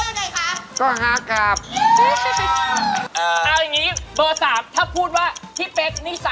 พี่โดจน์พี่โดจน์รักพูดว่าอย่างไรคะ